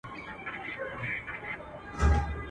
ده هم وركړل انعامونه د ټگانو.